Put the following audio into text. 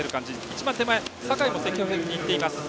一番手前、坂井も積極的にいっています。